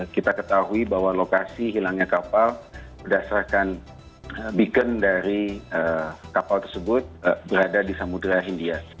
kita ketahui bahwa lokasi hilangnya kapal berdasarkan beacon dari kapal tersebut berada di samudera india